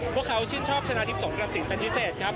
พวกเขาชื่นชอบชนะทิพย์สงกระสินเป็นพิเศษครับ